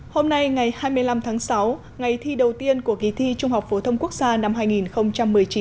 hôm nay ngày hai mươi năm tháng sáu ngày thi đầu tiên của kỳ thi trung học phổ thông quốc gia năm hai nghìn một mươi chín